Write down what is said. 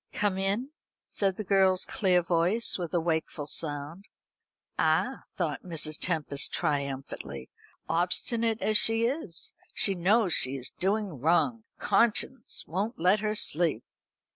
"Come in," said the girl's clear voice with a wakeful sound. "Ah!" thought Mrs. Tempest triumphantly, "obstinate as she is, she knows she is doing wrong. Conscience won't let her sleep."